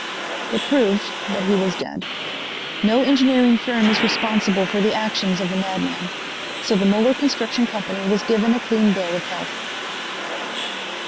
It proved that he was dead. No engineering firm is responsible for the actions of a madman. So the Muller Construction Company was given a clean bill of health.